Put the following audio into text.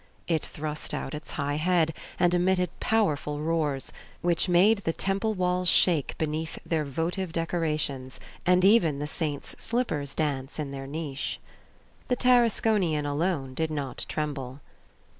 It thrust out its high head and emitted powerful roars, which made the temple walls shake beneath their votive decorations, and even the saint's slippers dance in their niche. The Tarasconian alone did not tremble.